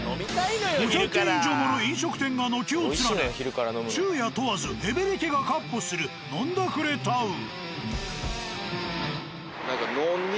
５００軒以上もの飲食店が軒を連ね昼夜問わずヘベレケが闊歩する飲んだくれタウン。